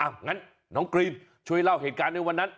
งั้นน้องกรีนช่วยเล่าเหตุการณ์ในวันนั้น